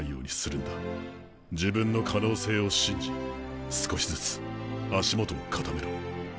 自分の可能性を信じ少しずつ足元を固めろ。